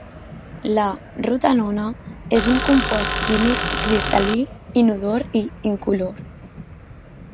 La rotenona és un compost químic cristal·lí inodor i incolor.